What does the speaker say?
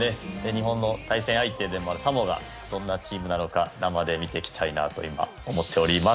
日本の対戦相手でもあるサモアがどんなチームなのか生で見てきたいと思っております。